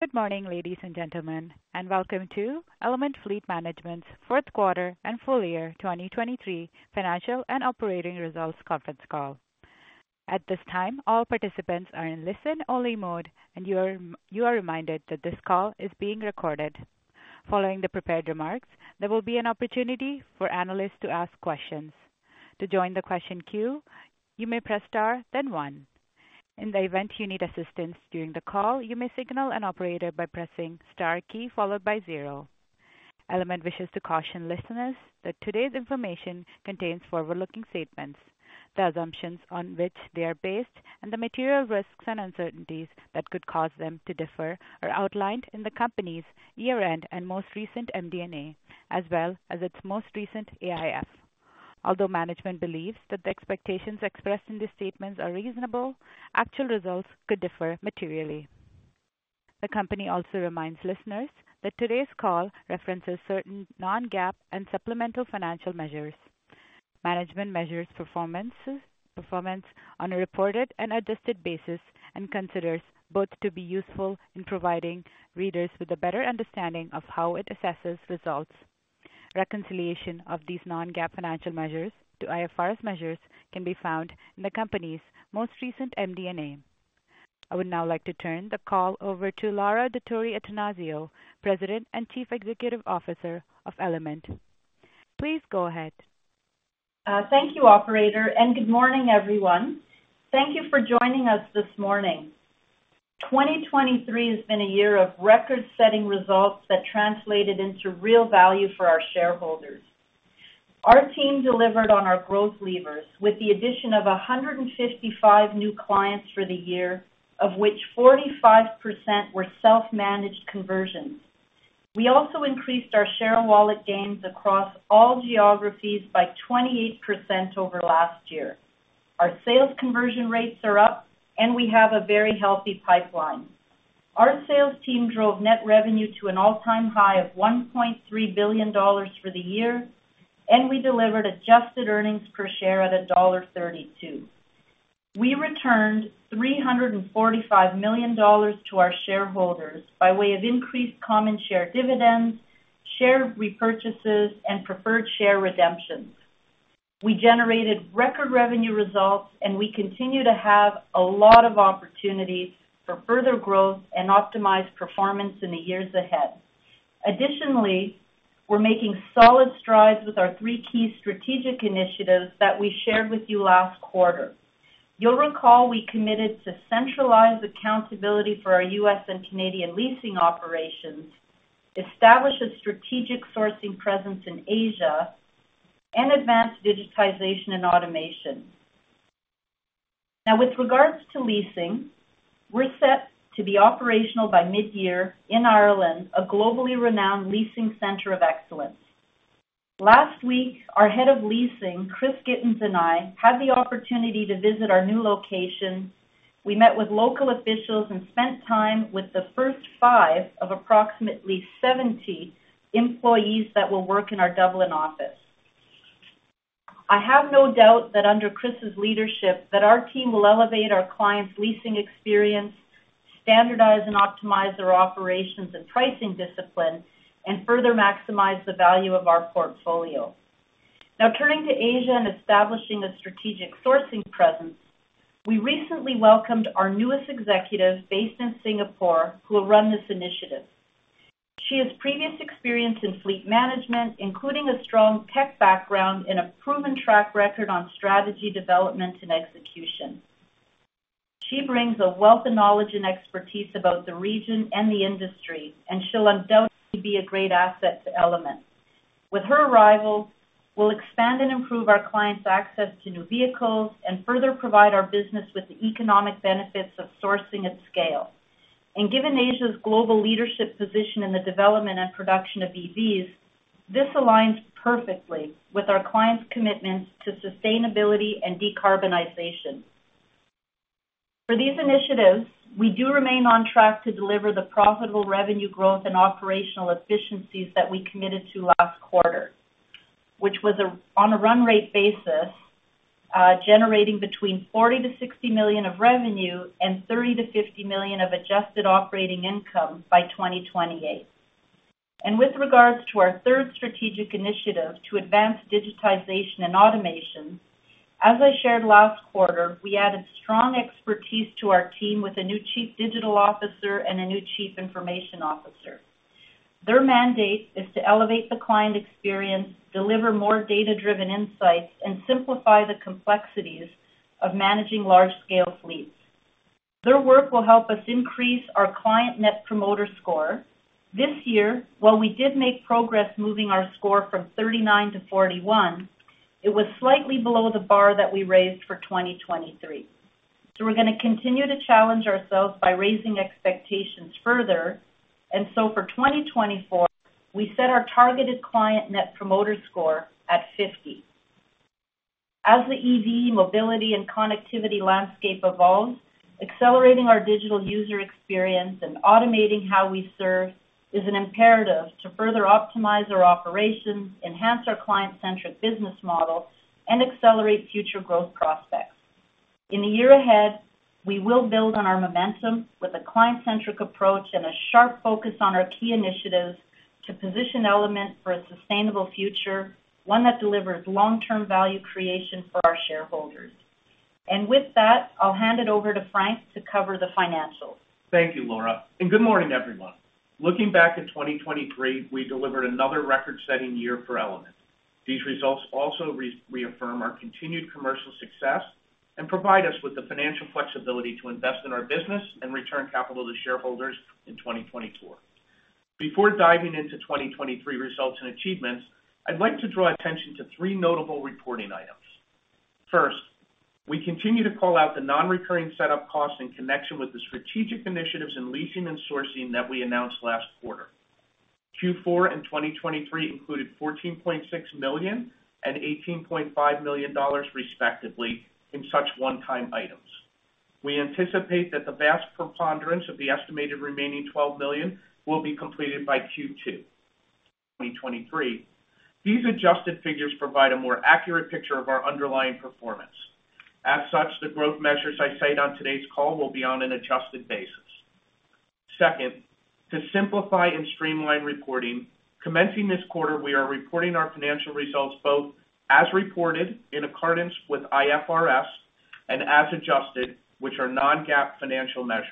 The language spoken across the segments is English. Good morning, ladies and gentlemen, and welcome to Element Fleet Management's fourth quarter and full year 2023 financial and operating results conference call. At this time, all participants are in listen-only mode, and you are reminded that this call is being recorded. Following the prepared remarks, there will be an opportunity for analysts to ask questions. To join the question queue, you may press star, then one. In the event you need assistance during the call, you may signal an operator by pressing star key followed by 0. Element wishes to caution listeners that today's information contains forward-looking statements. The assumptions on which they are based and the material risks and uncertainties that could cause them to differ are outlined in the company's year-end and most recent MD&A, as well as its most recent AIF. Although management believes that the expectations expressed in these statements are reasonable, actual results could differ materially. The company also reminds listeners that today's call references certain non-GAAP and supplemental financial measures. Management measures performance on a reported and adjusted basis and considers both to be useful in providing readers with a better understanding of how it assesses results. Reconciliation of these non-GAAP financial measures to IFRS measures can be found in the company's most recent MD&A. I would now like to turn the call over to Laura Dottori-Attanasio, President and Chief Executive Officer of Element. Please go ahead. Thank you, operator, and good morning, everyone. Thank you for joining us this morning. 2023 has been a year of record-setting results that translated into real value for our shareholders. Our team delivered on our growth levers, with the addition of 155 new clients for the year, of which 45% were self-managed conversions. We also increased our share of wallet gains across all geographies by 28% over last year. Our sales conversion rates are up, and we have a very healthy pipeline. Our sales team drove net revenue to an all-time high of 1.3 billion dollars for the year, and we delivered adjusted earnings per share at dollar 1.32. We returned 345 million dollars to our shareholders by way of increased common share dividends, share repurchases, and preferred share redemptions. We generated record revenue results, and we continue to have a lot of opportunity for further growth and optimized performance in the years ahead. Additionally, we're making solid strides with our three key strategic initiatives that we shared with you last quarter. You'll recall we committed to centralize accountability for our U.S. and Canadian leasing operations, establish a strategic sourcing presence in Asia, and advance digitization and automation. Now, with regards to leasing, we're set to be operational by mid-year in Ireland, a globally renowned leasing center of excellence. Last week, our Head of Leasing, Chris Gittens, and I, had the opportunity to visit our new location. We met with local officials and spent time with the first five of approximately 70 employees that will work in our Dublin office. I have no doubt that under Chris's leadership, that our team will elevate our clients' leasing experience, standardize and optimize their operations and pricing discipline, and further maximize the value of our portfolio. Now, turning to Asia and establishing a strategic sourcing presence, we recently welcomed our newest executive based in Singapore, who will run this initiative. She has previous experience in fleet management, including a strong tech background and a proven track record on strategy, development, and execution. She brings a wealth of knowledge and expertise about the region and the industry, and she'll undoubtedly be a great asset to Element. With her arrival, we'll expand and improve our clients' access to new vehicles and further provide our business with the economic benefits of sourcing at scale. Given Asia's global leadership position in the development and production of EVs, this aligns perfectly with our clients' commitment to sustainability and decarbonization. For these initiatives, we do remain on track to deliver the profitable revenue growth and operational efficiencies that we committed to last quarter, which was on a run rate basis, generating between 40 million-60 million of revenue and 30 million-50 million of Adjusted Operating Income by 2028. With regards to our third strategic initiative to advance digitization and automation, as I shared last quarter, we added strong expertise to our team with a new Chief Digital Officer and a new Chief Information Officer. Their mandate is to elevate the client experience, deliver more data-driven insights, and simplify the complexities of managing large-scale fleets. Their work will help us increase our client Net Promoter Score. This year, while we did make progress moving our score from 39 to 41, it was slightly below the bar that we raised for 2023. So we're gonna continue to challenge ourselves by raising expectations further, and so for 2024, we set our targeted client Net Promoter Score at 50. As the EV, mobility, and connectivity landscape evolves, accelerating our digital user experience and automating how we serve is an imperative to further optimize our operations, enhance our client-centric business model, and accelerate future growth prospects.... In the year ahead, we will build on our momentum with a client-centric approach and a sharp focus on our key initiatives to position Element for a sustainable future, one that delivers long-term value creation for our shareholders. And with that, I'll hand it over to Frank to cover the financials. Thank you, Laura, and good morning, everyone. Looking back at 2023, we delivered another record-setting year for Element. These results also reaffirm our continued commercial success and provide us with the financial flexibility to invest in our business and return capital to shareholders in 2024. Before diving into 2023 results and achievements, I'd like to draw attention to three notable reporting items. First, we continue to call out the non-recurring setup costs in connection with the strategic initiatives in leasing and sourcing that we announced last quarter. Q4 in 2023 included 14.6 million and 18.5 million dollars, respectively, in such one-time items. We anticipate that the vast preponderance of the estimated remaining 12 million will be completed by Q2 2023. These adjusted figures provide a more accurate picture of our underlying performance. As such, the growth measures I cite on today's call will be on an adjusted basis. Second, to simplify and streamline reporting, commencing this quarter, we are reporting our financial results both as reported in accordance with IFRS and as adjusted, which are non-GAAP financial measures.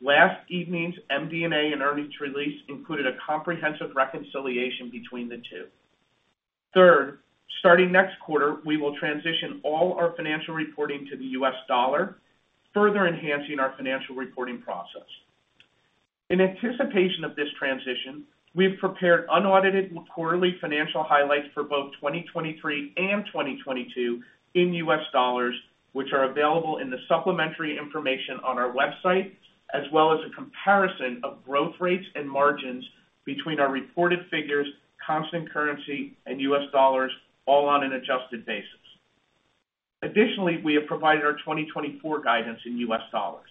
Last evening's MD&A and earnings release included a comprehensive reconciliation between the two. Third, starting next quarter, we will transition all our financial reporting to the U.S. dollar, further enhancing our financial reporting process. In anticipation of this transition, we've prepared unaudited quarterly financial highlights for both 2023 and 2022 in U.S. dollars, which are available in the supplementary information on our website, as well as a comparison of growth rates and margins between our reported figures, constant currency, and U.S. dollars, all on an adjusted basis. Additionally, we have provided our 2024 guidance in U.S. dollars.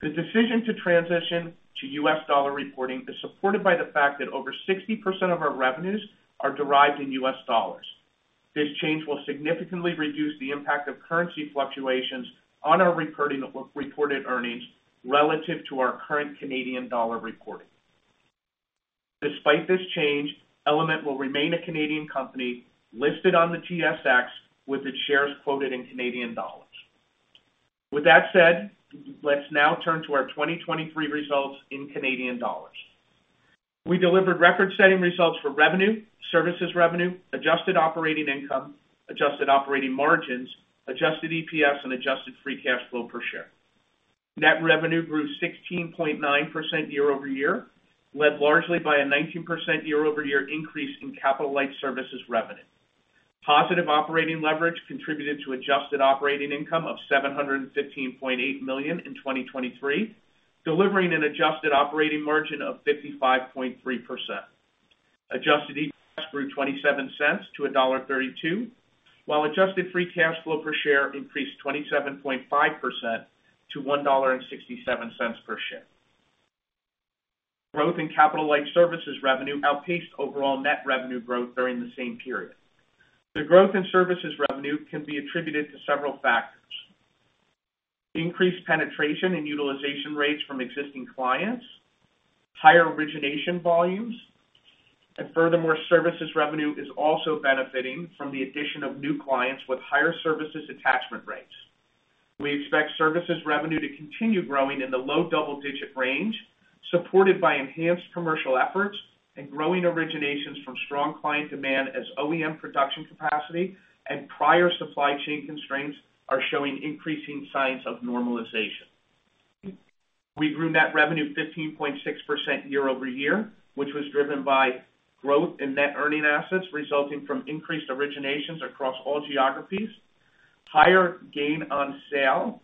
The decision to transition to U.S. dollar reporting is supported by the fact that over 60% of our revenues are derived in U.S. dollars. This change will significantly reduce the impact of currency fluctuations on our recurring reported earnings relative to our current Canadian dollar reporting. Despite this change, Element will remain a Canadian company listed on the TSX, with its shares quoted in Canadian dollars. With that said, let's now turn to our 2023 results in Canadian dollars. We delivered record-setting results for revenue, services revenue, adjusted operating income, adjusted operating margins, adjusted EPS, and adjusted free cash flow per share. Net revenue grew 16.9% year-over-year, led largely by a 19% year-over-year increase in capital-light services revenue. Positive operating leverage contributed to adjusted operating income of 715.8 million in 2023, delivering an adjusted operating margin of 55.3%. Adjusted EPS grew 0.27-1.32 dollar, while adjusted free cash flow per share increased 27.5% to 1.67 dollar per share. Growth in capital-light services revenue outpaced overall net revenue growth during the same period. The growth in services revenue can be attributed to several factors: increased penetration and utilization rates from existing clients, higher origination volumes, and furthermore, services revenue is also benefiting from the addition of new clients with higher services attachment rates. We expect services revenue to continue growing in the low double-digit range, supported by enhanced commercial efforts and growing originations from strong client demand as OEM production capacity and prior supply chain constraints are showing increasing signs of normalization. We grew net revenue 15.6% year-over-year, which was driven by growth in net earning assets, resulting from increased originations across all geographies, higher gain on sale,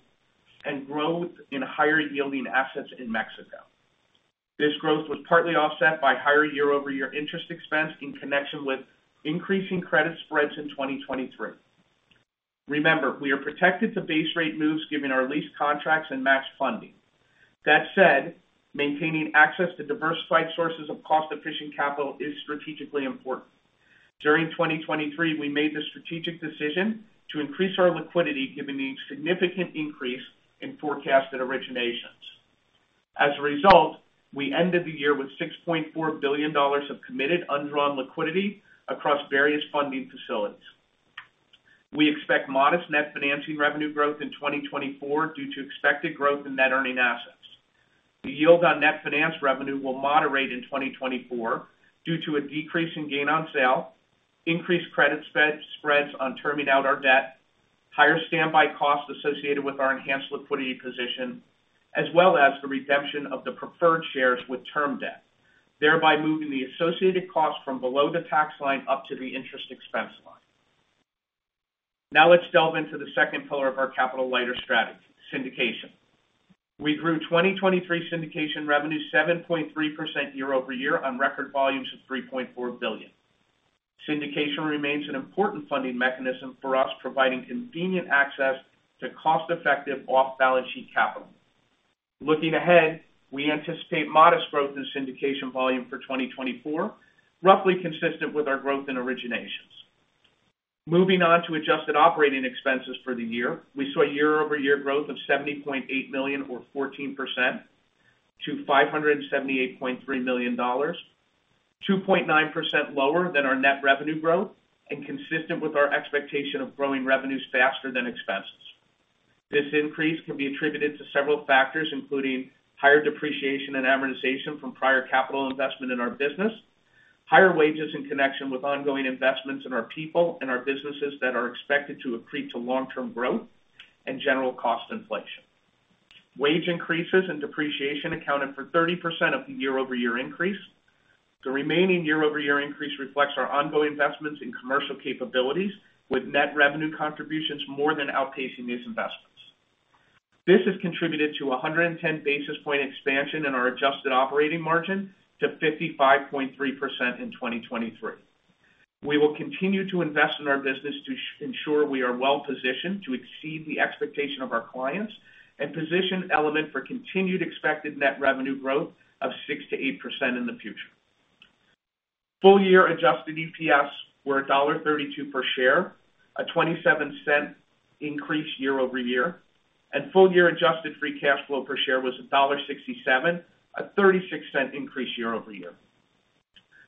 and growth in higher-yielding assets in Mexico. This growth was partly offset by higher year-over-year interest expense in connection with increasing credit spreads in 2023. Remember, we are protected to base rate moves given our lease contracts and matched funding. That said, maintaining access to diversified sources of cost-efficient capital is strategically important. During 2023, we made the strategic decision to increase our liquidity, given the significant increase in forecasted originations. As a result, we ended the year with $6.4 billion of committed undrawn liquidity across various funding facilities. We expect modest net financing revenue growth in 2024 due to expected growth in net earning assets. The yield on net finance revenue will moderate in 2024 due to a decrease in gain on sale, increased credit spreads on terming out our debt, higher standby costs associated with our enhanced liquidity position, as well as the redemption of the preferred shares with term debt, thereby moving the associated costs from below the tax line up to the interest expense line. Now, let's delve into the second pillar of our Capital-Lighter Strategy: syndication. We grew 2023 syndication revenue 7.3% year-over-year on record volumes of $3.4 billion. Syndication remains an important funding mechanism for us, providing convenient access to cost-effective off-balance sheet capital. Looking ahead, we anticipate modest growth in syndication volume for 2024, roughly consistent with our growth in originations. Moving on to adjusted operating expenses for the year, we saw a year-over-year growth of 70.8 million or 14% to 578.3 million dollars, 2.9% lower than our net revenue growth and consistent with our expectation of growing revenues faster than expenses. This increase can be attributed to several factors, including higher depreciation and amortization from prior capital investment in our business, higher wages in connection with ongoing investments in our people and our businesses that are expected to accrete to long-term growth, and general cost inflation. Wage increases and depreciation accounted for 30% of the year-over-year increase. The remaining year-over-year increase reflects our ongoing investments in commercial capabilities, with net revenue contributions more than outpacing these investments. This has contributed to a 110 basis point expansion in our adjusted operating margin to 55.3% in 2023. We will continue to invest in our business to ensure we are well positioned to exceed the expectation of our clients and position Element for continued expected net revenue growth of 6%-8% in the future. Full year adjusted EPS were dollar 1.32 per share, a 0.27 increase year-over-year, and full year adjusted free cash flow per share was CAD 1.67, a 0.36 increase year-over-year.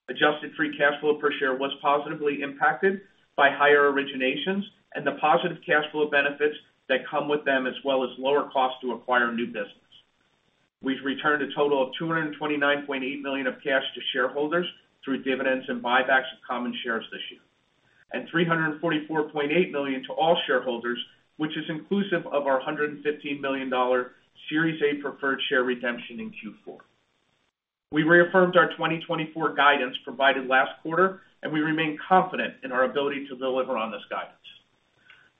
Adjusted free cash flow per share was positively impacted by higher originations and the positive cash flow benefits that come with them, as well as lower costs to acquire new business. We've returned a total of $229.8 million of cash to shareholders through dividends and buybacks of common shares this year, and $344.8 million to all shareholders, which is inclusive of our $115 million Series A Preferred Shares redemption in Q4. We reaffirmed our 2024 guidance provided last quarter, and we remain confident in our ability to deliver on this guidance.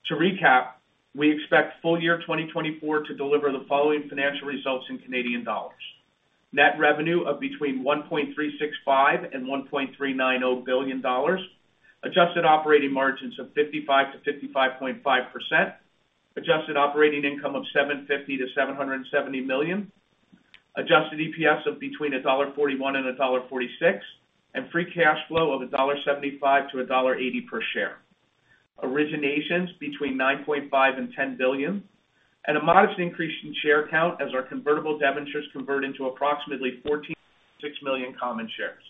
To recap, we expect full year 2024 to deliver the following financial results in Canadian dollars: Net revenue of between 1.365 billion dollars and CAD 1.39 billion, adjusted operating margins of 55%-55.5%, adjusted operating income of 750 million-770 million, adjusted EPS of between dollar 1.41 and dollar 1.46, and free cash flow of 1.75-1.80 dollar per share. Originations between 9.5 billion and 10 billion, and a modest increase in share count as our convertible debentures convert into approximately 14.6 million common shares.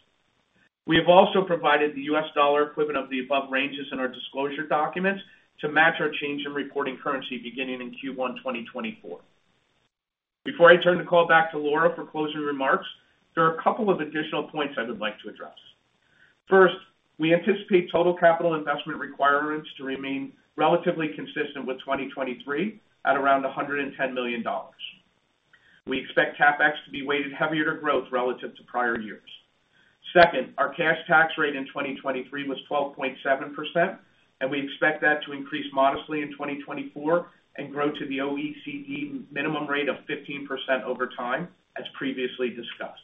We have also provided the U.S. dollar equivalent of the above ranges in our disclosure documents to match our change in reporting currency beginning in Q1 2024. Before I turn the call back to Laura for closing remarks, there are a couple of additional points I would like to address. First, we anticipate total capital investment requirements to remain relatively consistent with 2023, at around 110 million dollars. We expect CapEx to be weighted heavier to growth relative to prior years. Second, our cash tax rate in 2023 was 12.7%, and we expect that to increase modestly in 2024 and grow to the OECD minimum rate of 15% over time, as previously discussed.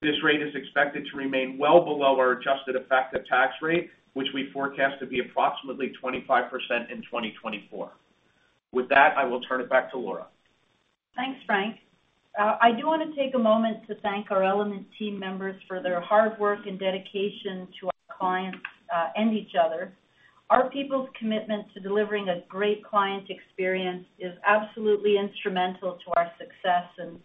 This rate is expected to remain well below our adjusted effective tax rate, which we forecast to be approximately 25% in 2024. With that, I will turn it back to Laura. Thanks, Frank. I do want to take a moment to thank our Element team members for their hard work and dedication to our clients, and each other. Our people's commitment to delivering a great client experience is absolutely instrumental to our success. And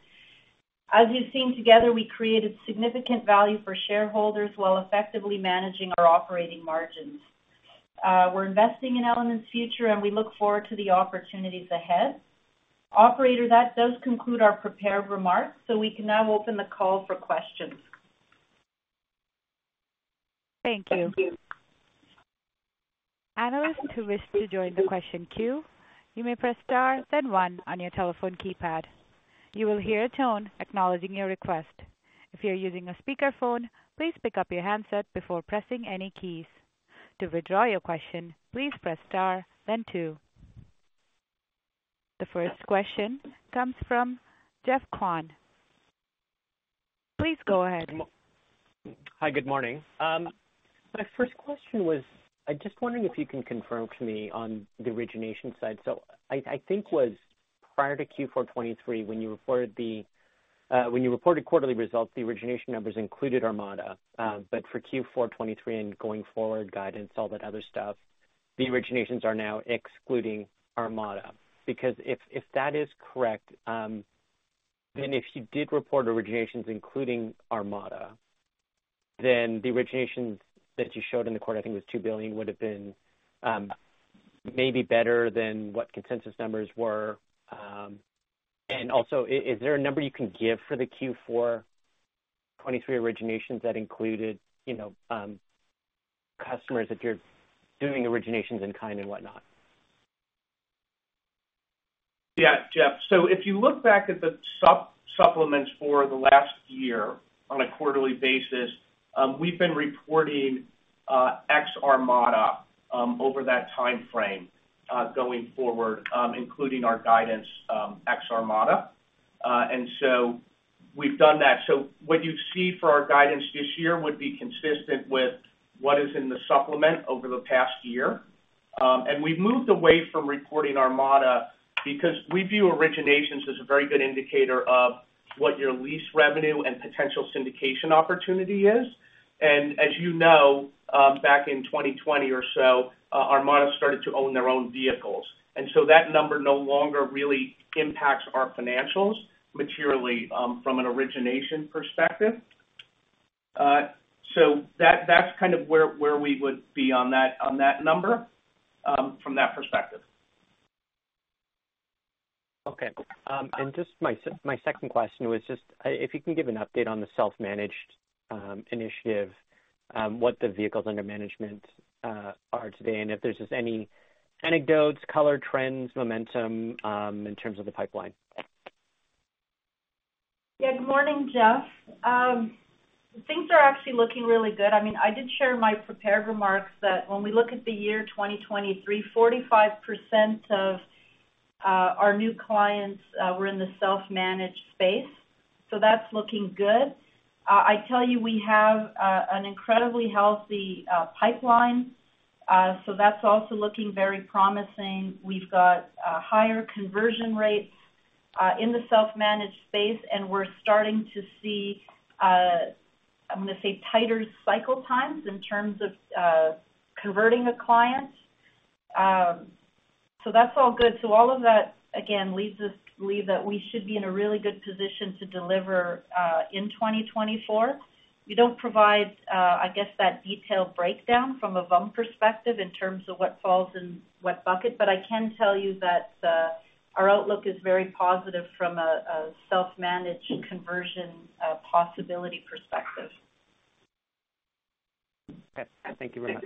as you've seen, together, we created significant value for shareholders while effectively managing our operating margins. We're investing in Element's future, and we look forward to the opportunities ahead. Operator, that does conclude our prepared remarks, so we can now open the call for questions. Thank you. Analysts who wish to join the question queue, you may press star, then one on your telephone keypad. You will hear a tone acknowledging your request. If you're using a speakerphone, please pick up your handset before pressing any keys. To withdraw your question, please press star then two. The first question comes from Geoff Kwan. Please go ahead. Hi, good morning. My first question was, I'm just wondering if you can confirm to me on the origination side. So I think it was prior to Q4 2023, when you reported the quarterly results, the origination numbers included Armada. But for Q4 2023 and going forward, guidance, all that other stuff, the originations are now excluding Armada. Because if that is correct, then if you did report originations, including Armada, then the originations that you showed in the quarter, I think it was 2 billion, would have been maybe better than what consensus numbers were. And also, is there a number you can give for the Q4 2023 originations that included, you know, customers, if you're doing originations in kind and whatnot? Yeah, Geoff. So if you look back at the supplements for the last year on a quarterly basis, we've been reporting ex Armada over that timeframe, going forward, including our guidance, ex Armada. And so we've done that. So what you see for our guidance this year would be consistent with what is in the supplement over the past year. And we've moved away from reporting Armada because we view originations as a very good indicator of what your lease revenue and potential syndication opportunity is. And as you know, back in 2020 or so, Armada started to own their own vehicles. And so that number no longer really impacts our financials materially from an origination perspective. So that, that's kind of where we would be on that, on that number from that perspective. Okay. And just my second question was just, if you can give an update on the self-managed initiative, what the vehicles under management are today, and if there's just any anecdotes, color trends, momentum, in terms of the pipeline? Yeah. Good morning, Geoff. Things are actually looking really good. I mean, I did share my prepared remarks that when we look at the year 2023, 45% of our new clients were in the self-managed space, so that's looking good. I tell you, we have an incredibly healthy pipeline, so that's also looking very promising. We've got higher conversion rates in the self-managed space, and we're starting to see, I'm going to say, tighter cycle times in terms of converting a client. So that's all good. So all of that, again, leads us to believe that we should be in a really good position to deliver in 2024. We don't provide, I guess, that detailed breakdown from a VUM perspective in terms of what falls in what bucket, but I can tell you that, our outlook is very positive from a, a self-managed conversion, possibility perspective. Okay. Thank you very much.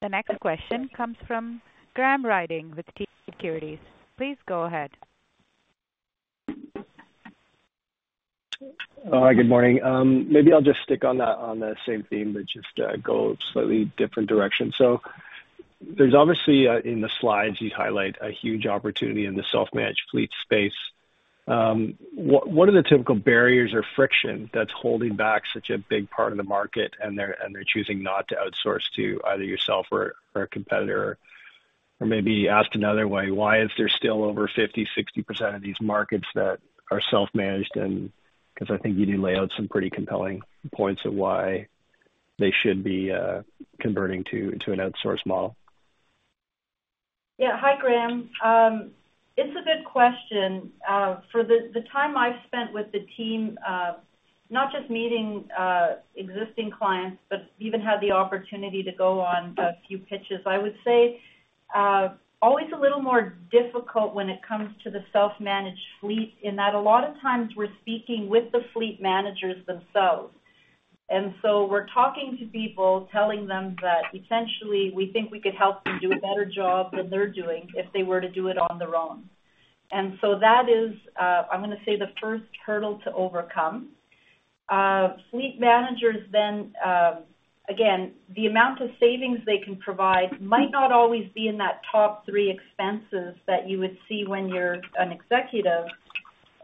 The next question comes from Graham Ryding with TD Securities. Please go ahead. Hi, good morning. Maybe I'll just stick on the, on the same theme, but just go a slightly different direction. So there's obviously in the slides, you highlight a huge opportunity in the self-managed fleet space. What are the typical barriers or friction that's holding back such a big part of the market, and they're choosing not to outsource to either yourself or a competitor? Or maybe asked another way, why is there still over 50%-60% of these markets that are self-managed? And because I think you do lay out some pretty compelling points of why they should be converting to an outsource model. Yeah. Hi, Graham. It's a good question. For the time I've spent with the team, not just meeting existing clients, but even had the opportunity to go on a few pitches, I would say, always a little more difficult when it comes to the self-managed fleet, in that a lot of times we're speaking with the fleet managers themselves. And so we're talking to people, telling them that essentially, we think we could help them do a better job than they're doing if they were to do it on their own. And so that is, I'm going to say, the first hurdle to overcome. Fleet managers then, again, the amount of savings they can provide might not always be in that top three expenses that you would see when you're an executive.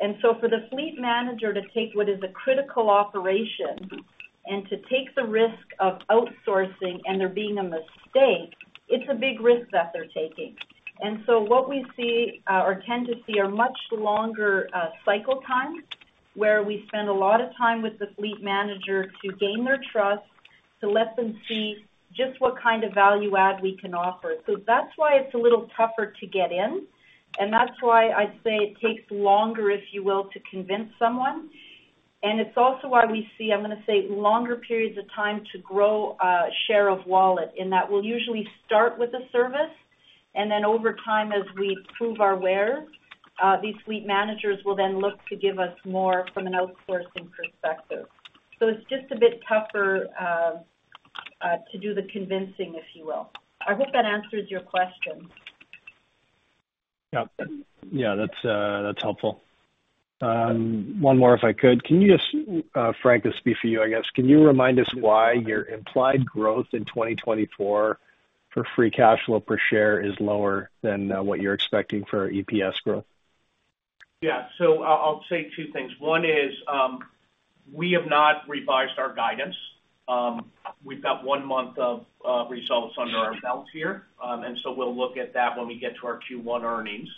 And so for the fleet manager to take what is a critical operation and to take the risk of outsourcing and there being a mistake, it's a big risk that they're taking. And so what we see, or tend to see, are much longer cycle times, where we spend a lot of time with the fleet manager to gain their trust, to let them see just what kind of value add we can offer. So that's why it's a little tougher to get in, and that's why I'd say it takes longer, if you will, to convince someone. It's also why we see, I'm going to say, longer periods of time to grow share of wallet, in that we'll usually start with a service, and then over time, as we prove our value, these fleet managers will then look to give us more from an outsourcing perspective. So it's just a bit tougher to do the convincing, if you will. I hope that answers your question. Yep. Yeah, that's, that's helpful. One more, if I could. Can you just, Frank, this will be for you, I guess. Can you remind us why your implied growth in 2024 for free cash flow per share is lower than, what you're expecting for EPS growth? Yeah. So I'll, I'll say two things. One is, we have not revised our guidance. We've got one month of results under our belt here, and so we'll look at that when we get to our Q1 earnings.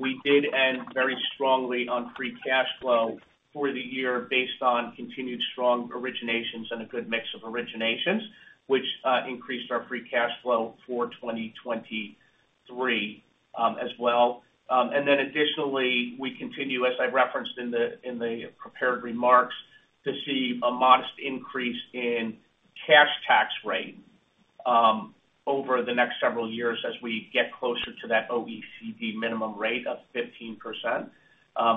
We did end very strongly on free cash flow for the year based on continued strong originations and a good mix of originations, which increased our free cash flow for 2023, as well. And then additionally, we continue, as I referenced in the, in the prepared remarks, to see a modest increase in cash tax rate over the next several years as we get closer to that OECD minimum rate of 15%.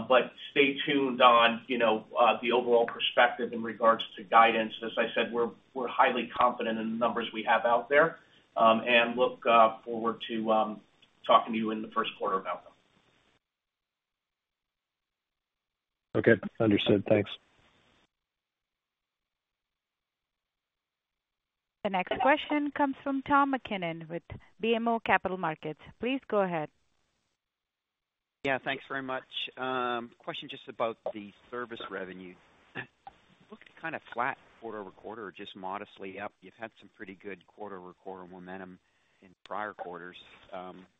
But stay tuned on, you know, the overall perspective in regards to guidance. As I said, we're highly confident in the numbers we have out there, and look forward to talking to you in the first quarter about them. Okay, understood. Thanks. The next question comes from Tom MacKinnon with BMO Capital Markets. Please go ahead. Yeah, thanks very much. Question just about the service revenue. Looked kind of flat quarter-over-quarter, just modestly up. You've had some pretty good quarter-over-quarter momentum in prior quarters.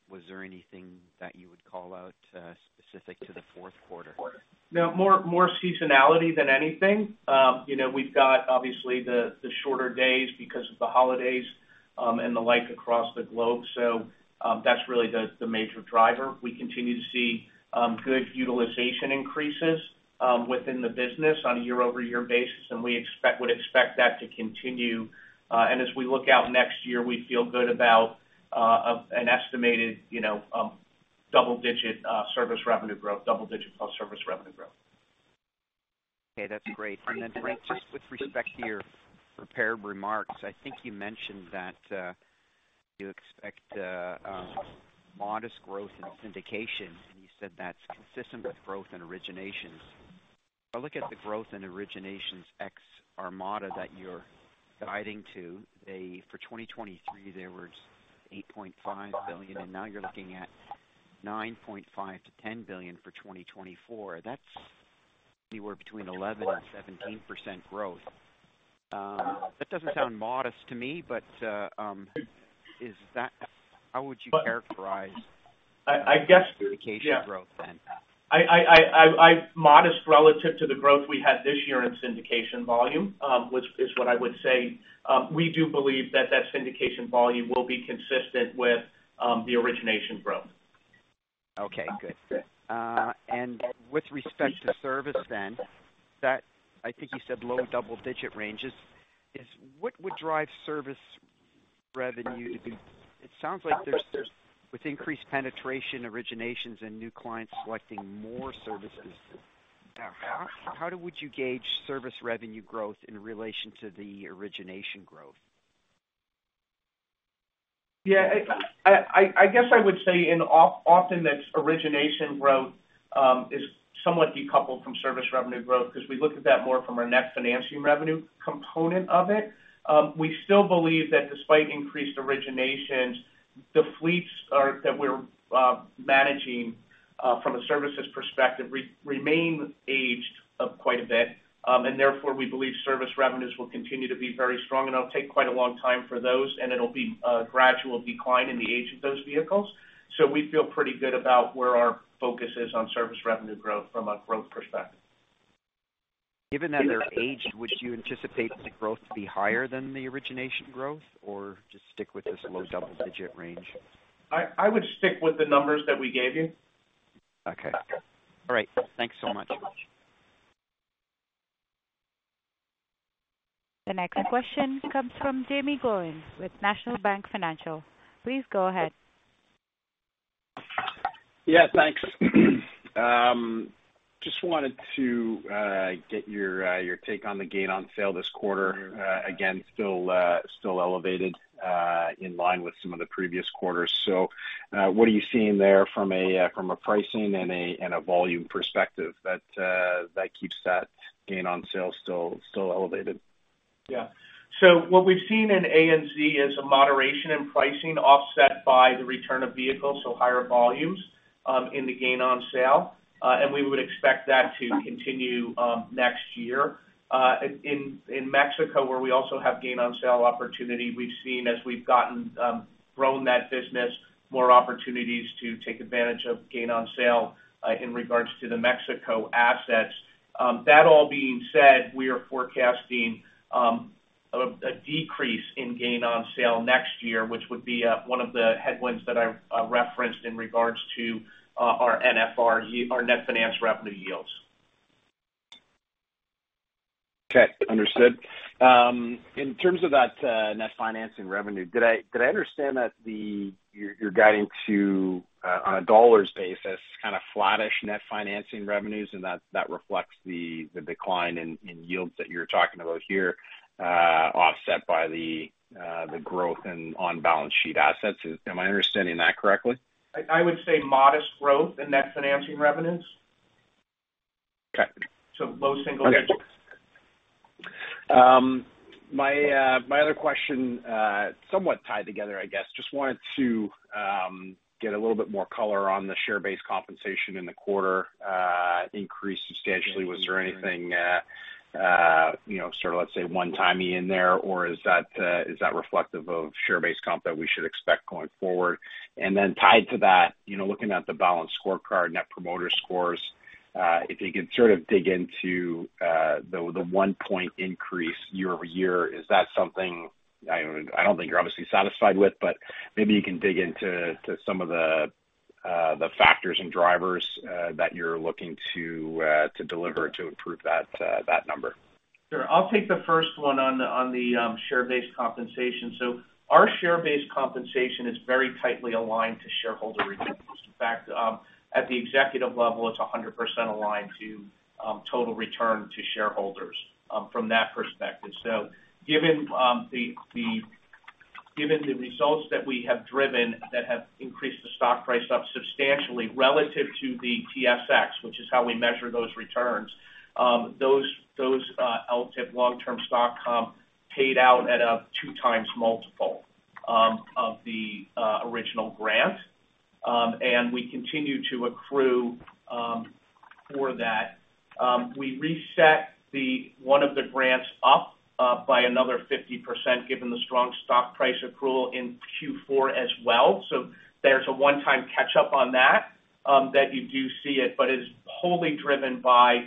Was there anything that you would call out, specific to the fourth quarter? No, more, more seasonality than anything. You know, we've got obviously the, the shorter days because of the holidays, and the like, across the globe. So, that's really the, the major driver. We continue to see, good utilization increases, within the business on a year-over-year basis, and we expect- would expect that to continue. And as we look out next year, we feel good about, an estimated, you know, double-digit, service revenue growth, double-digit plus service revenue growth. Okay, that's great. Then, Frank, just with respect to your prepared remarks, I think you mentioned that you expect modest growth in syndication, and you said that's consistent with growth and origination. I look at the growth in originations ex Armada that you're guiding to. For 2023, there was 8.5 billion, and now you're looking at 9.5 billion-10 billion for 2024. That's anywhere between 11% and 17% growth. That doesn't sound modest to me, but is that- But- How would you characterize- I guess- Syndication growth then? modest relative to the growth we had this year in syndication volume, which is what I would say. We do believe that that syndication volume will be consistent with the origination growth. Okay, good. And with respect to service then, that I think you said low double-digit ranges, is what would drive service revenue to be... It sounds like there's, with increased penetration, originations, and new clients selecting more services, how would you gauge service revenue growth in relation to the origination growth? Yeah, I guess I would say, and often, that origination growth is somewhat decoupled from service revenue growth, because we look at that more from our net financing revenue component of it. We still believe that despite increased originations, the fleets that we're managing from a services perspective remain aged quite a bit. And therefore, we believe service revenues will continue to be very strong, and it'll take quite a long time for those, and it'll be a gradual decline in the age of those vehicles. So we feel pretty good about where our focus is on service revenue growth from a growth perspective. Given that they're aged, would you anticipate the growth to be higher than the origination growth or just stick with this low double-digit range? I would stick with the numbers that we gave you. Okay. All right. Thanks so much. The next question comes from Jaeme Gloyn with National Bank Financial. Please go ahead. Yeah, thanks. Just wanted to get your take on the gain on sale this quarter. Again, still elevated in line with some of the previous quarters. So, what are you seeing there from a pricing and a volume perspective that keeps that gain on sale still elevated? Yeah. So what we've seen in ANZ is a moderation in pricing, offset by the return of vehicles, so higher volumes in the gain on sale, and we would expect that to continue next year. In Mexico, where we also have gain on sale opportunity, we've seen as we've grown that business, more opportunities to take advantage of gain on sale in regards to the Mexico assets. That all being said, we are forecasting a decrease in gain on sale next year, which would be one of the headwinds that I referenced in regards to our NFR, our net finance revenue yields. Okay, understood. In terms of that, net finance revenue, did I understand that the... You're guiding to, on a dollars basis, kind of flattish net finance revenues, and that reflects the decline in yields that you're talking about here, offset by the growth in on-balance sheet assets. Am I understanding that correctly? I would say modest growth in net financing revenues. Okay. Low single digits. My other question, somewhat tied together, I guess. Just wanted to get a little bit more color on the share-based compensation in the quarter increased substantially. Was there anything, you know, sort of, let's say, one-time in there, or is that reflective of share-based comp that we should expect going forward? And then tied to that, you know, looking at the balanced scorecard, net promoter scores, if you could sort of dig into the one-point increase year-over-year, is that something... I don't think you're obviously satisfied with, but maybe you can dig into some of the factors and drivers that you're looking to deliver to improve that number. Sure. I'll take the first one on the share-based compensation. So our share-based compensation is very tightly aligned to shareholder returns. In fact, at the executive level, it's 100% aligned to total return to shareholders, from that perspective. So given the results that we have driven that have increased the stock price up substantially relative to the TSX, which is how we measure those returns, those LTIP long-term stock comp paid out at a 2x multiple of the original grant. And we continue to accrue for that. We reset one of the grants up by another 50%, given the strong stock price accrual in Q4 as well. So there's a one-time catch-up on that, you do see it, but it's wholly driven by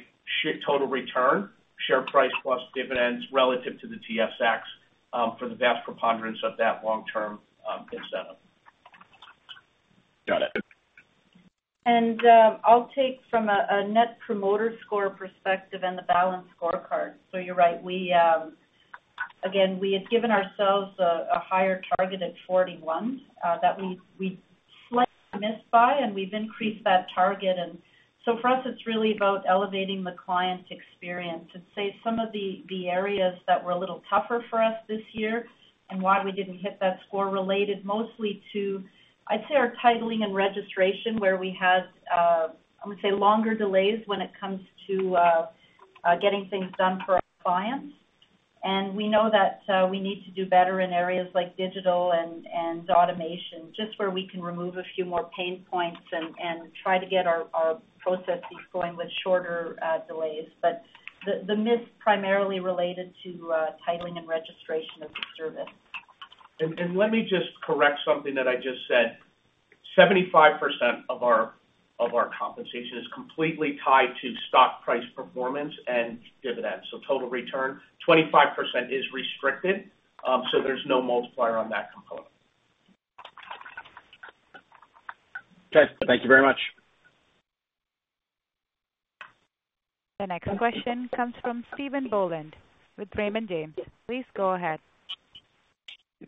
total return, share price plus dividends relative to the TSX, for the vast preponderance of that long-term incentive. Got it. I'll take from a Net Promoter Score perspective and the balanced scorecard. So you're right, we again had given ourselves a higher target at 41 that we slightly missed by, and we've increased that target. And so for us, it's really about elevating the client experience. I'd say some of the areas that were a little tougher for us this year and why we didn't hit that score related mostly to, I'd say, our titling and registration, where we had longer delays when it comes to getting things done for our clients. And we know that we need to do better in areas like digital and automation, just where we can remove a few more pain points and try to get our processes going with shorter delays. But the miss primarily related to titling and registration of the service. Let me just correct something that I just said. 75% of our, of our compensation is completely tied to stock price performance and dividends, so total return. 25% is restricted, so there's no multiplier on that component. Okay, thank you very much. The next question comes from Stephen Boland with Raymond James. Please go ahead.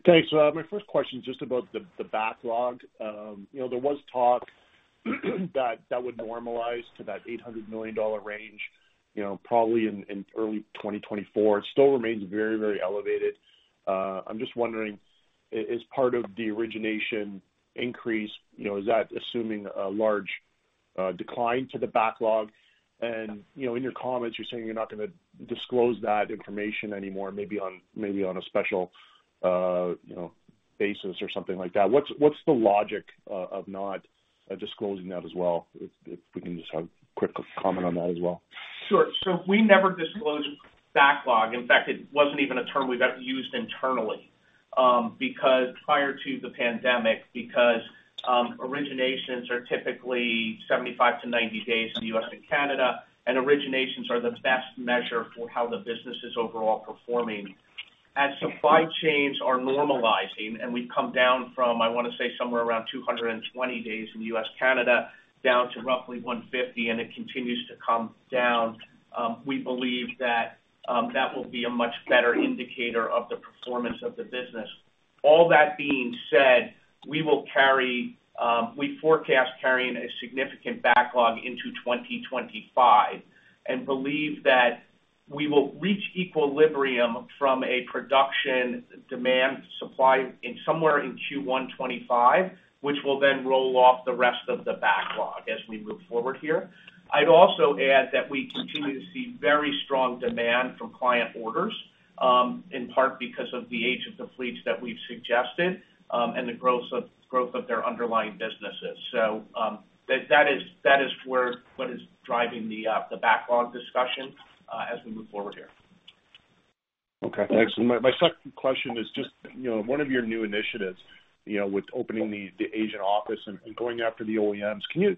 Thanks. My first question is just about the backlog. You know, there was talk that that would normalize to that 800 million dollar range, you know, probably in early 2024. It still remains very, very elevated. I'm just wondering, is, as part of the origination increase, you know, is that assuming a large decline to the backlog? And, you know, in your comments, you're saying you're not gonna disclose that information anymore, maybe on, maybe on a special, you know, basis or something like that. What's the logic of not disclosing that as well? If we can just have a quick comment on that as well. Sure. So we never disclosed backlog. In fact, it wasn't even a term we got used internally, because prior to the pandemic, originations are typically 75-90 days in the U.S. and Canada, and originations are the best measure for how the business is overall performing. As supply chains are normalizing, and we've come down from, I want to say, somewhere around 220 days in the U.S., Canada, down to roughly 150, and it continues to come down, we believe that that will be a much better indicator of the performance of the business. All that being said, we will carry, we forecast carrying a significant backlog into 2025, and believe that we will reach equilibrium from a production demand supply in somewhere in Q1 2025, which will then roll off the rest of the backlog as we move forward here. I'd also add that we continue to see very strong demand from client orders, in part because of the age of the fleets that we've suggested, and the growth of their underlying businesses. So, that is what is driving the backlog discussion, as we move forward here. Okay, thanks. My second question is just, you know, one of your new initiatives, you know, with opening the Asian office and going after the OEMs. Can you,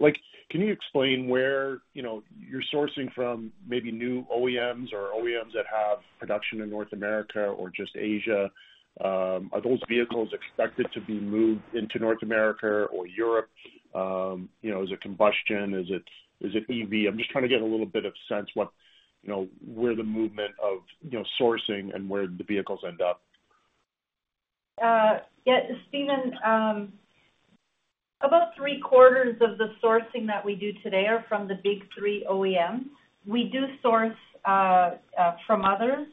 like, can you explain where, you know, you're sourcing from maybe new OEMs or OEMs that have production in North America or just Asia? Are those vehicles expected to be moved into North America or Europe? You know, is it combustion? Is it EV? I'm just trying to get a little bit of sense what, you know, where the movement of, you know, sourcing and where the vehicles end up. Yeah, Stephen, about three-quarters of the sourcing that we do today are from the big three OEMs. We do source from others,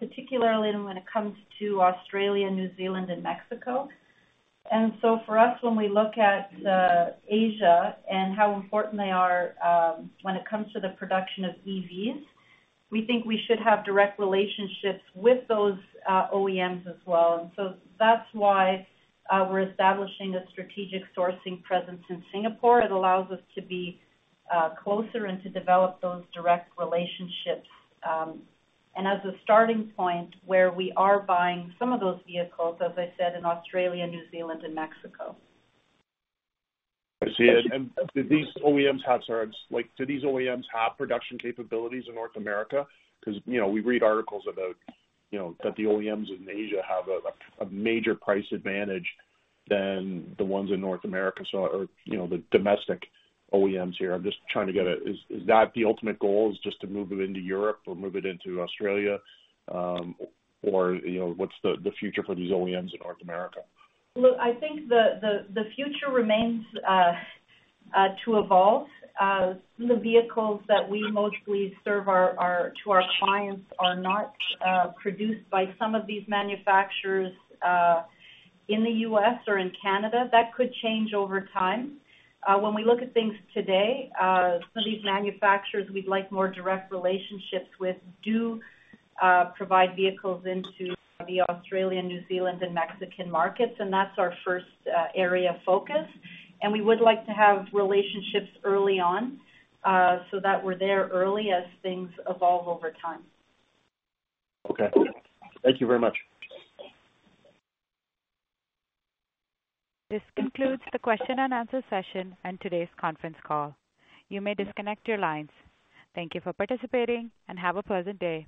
particularly when it comes to Australia, New Zealand, and Mexico. And so for us, when we look at Asia and how important they are, when it comes to the production of EVs, we think we should have direct relationships with those OEMs as well. And so that's why we're establishing a strategic sourcing presence in Singapore. It allows us to be closer and to develop those direct relationships, and as a starting point, where we are buying some of those vehicles, as I said, in Australia, New Zealand, and Mexico. I see. And do these OEMs have, sorry, like, do these OEMs have production capabilities in North America? Because, you know, we read articles about, you know, that the OEMs in Asia have a major price advantage than the ones in North America, so... or, you know, the domestic OEMs here. I'm just trying to get a. Is that the ultimate goal, just to move it into Europe or move it into Australia? Or, you know, what's the future for these OEMs in North America? Look, I think the future remains to evolve. The vehicles that we mostly serve to our clients are not produced by some of these manufacturers in the U.S. or in Canada. That could change over time. When we look at things today, some of these manufacturers we'd like more direct relationships with do provide vehicles into the Australian, New Zealand, and Mexican markets, and that's our first area of focus. And we would like to have relationships early on, so that we're there early as things evolve over time. Okay. Thank you very much. This concludes the question-and-answer session and today's conference call. You may disconnect your lines. Thank you for participating, and have a pleasant day.